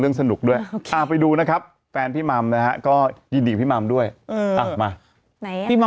เรื่องสนุกด้วยไปดูนะครับแปนพี่มามนะก็ยินดิจิพี่มามด้วยมาดิมา